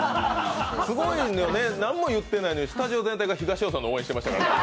すごいんだよね、何も言ってないのにスタジオ全員、東尾さんを応援してた。